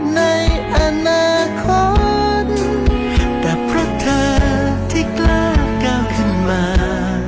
ในอนาคตแต่เพราะเธอที่กล้าก้าวขึ้นมา